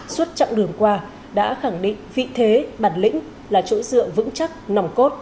suốt chặng đường qua đã khẳng định vị thế bản lĩnh là chỗ dựa vững chắc nòng cốt